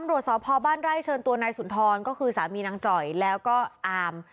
ตำรวจสพบ้านไร่เชิญตัวนายสุนทรก็คือสามีนางจ่อยแล้วก็อาม